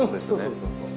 そうそうそう。